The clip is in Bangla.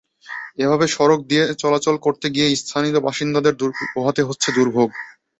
এসব সড়ক দিয়ে চলাচল করতে গিয়ে স্থানীয় বাসিন্দাদের পোহাতে হচ্ছে দুর্ভোগ।